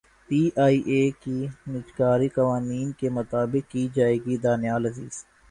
P I A کی نجکاری قوانین کے مطابق کی جائے گی دانیال عزیز